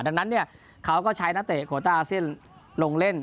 ดังนั้นเขาก็ใช้นักเตะโคต้าอาเซียนลงเล่น